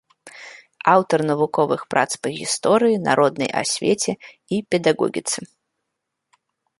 Аўтар навуковых прац па гісторыі, народнай асвеце і педагогіцы.